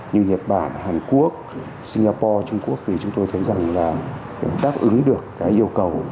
như nhật bản hàn quốc singapore trung quốc thì chúng tôi thấy rằng là cũng đáp ứng được cái yêu cầu